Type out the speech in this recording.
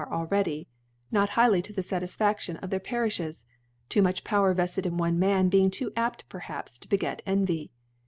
already, not highly to the Satisfaftron of their Parilhes ;, too much Power vefted' ki one Man b^ing t6o apt perhaps to beget" Envy.